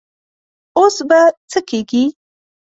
اوس به څه کيږي؟